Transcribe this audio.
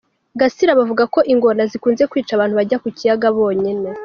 Gasirabo avuga ko ingona zikunze kwica abantu bajya ku kiyaga bonyine.